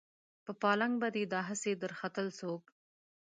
په پالنګ به دې دا هسې درختل څوک